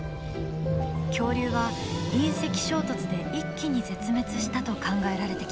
恐竜は隕石衝突で一気に絶滅したと考えられてきた。